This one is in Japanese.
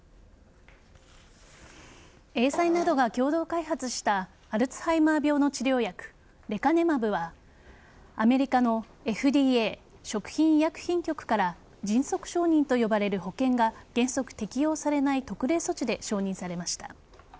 エーザイなどが共同開発したアルツハイマー病の治療薬レカネマブはアメリカのＦＤＡ＝食品医薬品局から迅速承認と呼ばれる保険が原則適用されない特例処置で承認されました。